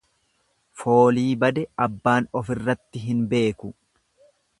Foolii bade abbaan ofirratti hin beeku.